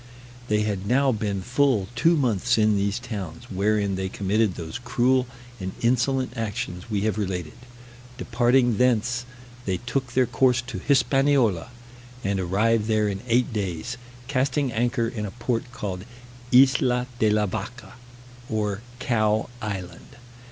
They had now been full two months in these towns, wherein they committed those cruel and insolent actions we have related. Departing thence, they took their course to Hispaniola, and arrived there in eight days, casting anchor in a port called Isla de la Vacca, or Cow Island.